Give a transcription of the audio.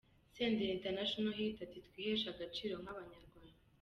Senderi International Hit ati: Twiheshe agaciro nk'abanyarwanda.